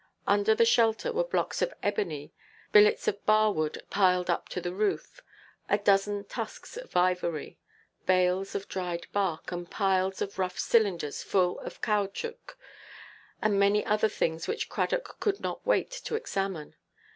Under the shelter were blocks of ebony, billets of bar–wood piled up to the roof, a dozen tusks of ivory, bales of dried bark, and piles of rough cylinders full of caoutchouc, and many other things which Cradock could not wait to examine.